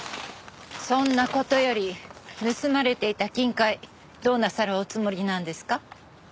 そんな事より盗まれていた金塊どうなさるおつもりなんですか？